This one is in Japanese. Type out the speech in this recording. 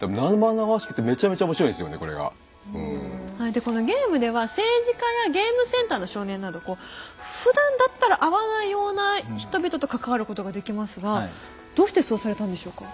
でこのゲームでは政治家やゲームセンターの少年などこうふだんだったら会わないような人々と関わることができますがどうしてそうされたんでしょうか？